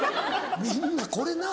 みんな「これ何？」